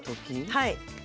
はい。